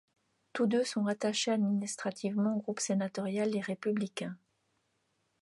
Tous deux sont rattachés administrativement au groupe sénatorial Les Républicains.